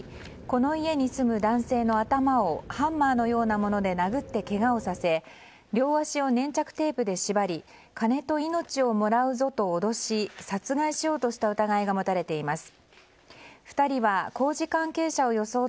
この家に住む男性の頭をハンマーのようなもので殴ってけがをさせ両足を粘着テープで縛り金と命をもらうぞと脅し殺害しようとした疑いが持たれています。